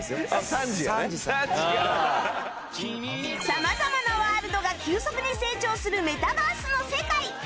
様々なワールドが急速に成長するメタバースの世界